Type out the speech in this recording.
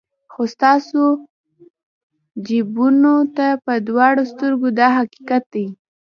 خو ستاسو جیبونو ته په دواړو سترګو دا حقیقت دی.